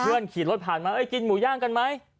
เพื่อนขี่รถผ่านมาเอ้ยกินหมูย่างกันไหม